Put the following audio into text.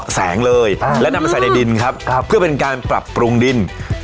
ฮือฮือฮือฮือ